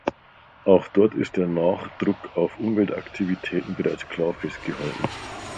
Auch dort ist der Nachdruck auf Umweltaktivitäten bereits klar festgehalten.